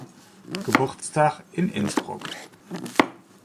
Geburtstag in Innsbruck.